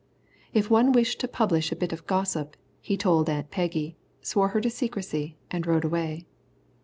If one wished to publish a bit of gossip, he told Aunt Peggy, swore her to secrecy, and rode away.